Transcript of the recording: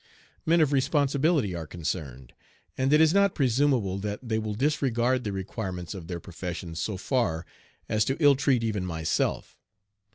Men of responsibility are concerned, and it is not presumable that they will disregard the requirements of their professions so far as to ill treat even myself.